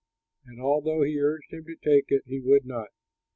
And although he urged him to take it, he would not.